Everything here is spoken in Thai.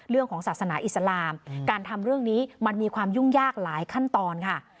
เรื่องของศาสนาอิสลามการทำเรื่องนี้มันมีความยุ่งยากหลายขั้นตอนค่ะ